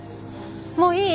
もういい？